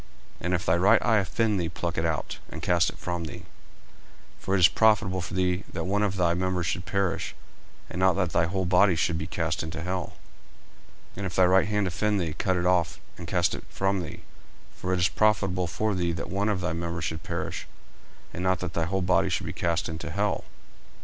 40:005:029 And if thy right eye offend thee, pluck it out, and cast it from thee: for it is profitable for thee that one of thy members should perish, and not that thy whole body should be cast into hell. 40:005:030 And if thy right hand offend thee, cut it off, and cast it from thee: for it is profitable for thee that one of thy members should perish, and not that thy whole body should be cast into hell.